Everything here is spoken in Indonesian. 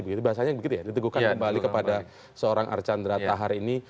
bahasanya begitu ya diteguhkan kembali kepada seorang archandra tahar ini